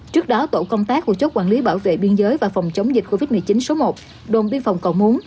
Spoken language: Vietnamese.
trước đó tổ công tác của chốt quản lý bảo vệ biên giới và phòng chống dịch covid một mươi chín số một đồn biên phòng cầu muốn